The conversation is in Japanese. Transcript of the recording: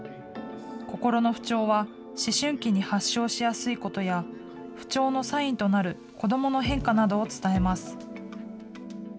心の不調は思春期に発症しやすいことや、不調のサインとなる子どもの変化などを伝えます。